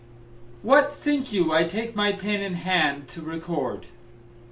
WHAT think you I take my pen in hand to record?